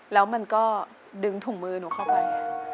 แล้วมันก็ดึงถุงมือหนูเข้าไป